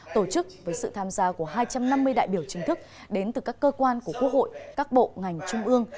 tổ chức với sự tham gia của hai trăm năm mươi đại biểu chính thức đến từ các cơ quan của quốc hội các bộ ngành trung ương